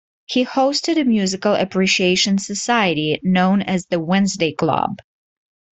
He hosted a musical appreciation society known as the Wednesday Club.